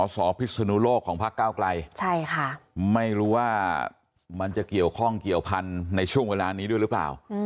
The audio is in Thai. สอพิศนุโลกของพักเก้าไกลไม่รู้ว่ามันจะเกี่ยวข้องเกี่ยวพันธุ์ในช่วงเวลานี้ด้วยหรือเปล่า